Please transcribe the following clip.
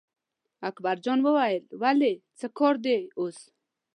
اکبرجان وویل ولې څه کار دی اوس.